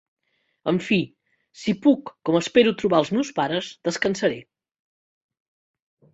En fi, si puc, com espero, trobar els meus pares, descansaré.